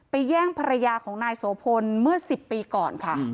แย่งภรรยาของนายโสพลเมื่อ๑๐ปีก่อนค่ะ